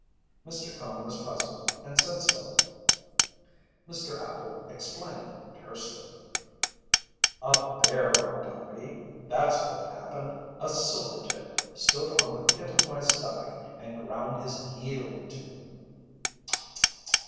Mr. Cone was puzzled, and said so. Mr. Appel explained tersely: "A bear walked on me that's all that happened. A silvertip stood on the pit of my stomach and ground his heel into me."